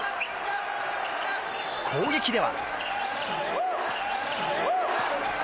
攻撃では。